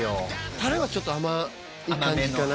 タレはちょっと甘い感じかな？